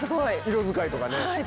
色使いとかね。